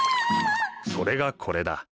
それがこれだ。